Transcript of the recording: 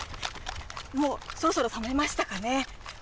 もう、そろそろ冷めましたかね。